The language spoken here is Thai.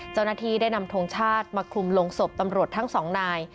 เจ้าหน้าที่ได้นำทงชาติมาคลุมลงศพตำรวจทั้งสองนาย